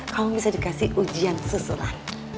kamu bisa dikasih ujian susulan